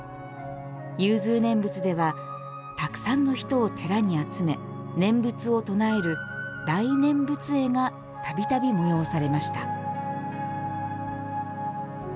融通念仏では、たくさんの人を寺に集め、念仏を唱える大念仏会がたびたび催されました。